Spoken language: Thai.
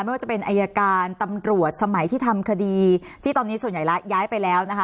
ไม่ว่าจะเป็นอายการตำรวจสมัยที่ทำคดีที่ตอนนี้ส่วนใหญ่แล้วย้ายไปแล้วนะคะ